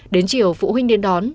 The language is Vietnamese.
đến chiều phụ huynh đến đón